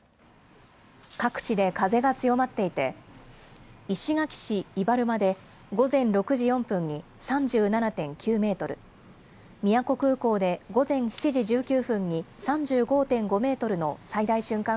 各地で風が強まっていて、石垣市伊原間で午前６時４分に３７．９メートル、宮古空港で午前７時１９分に３５．５メートルの最大瞬間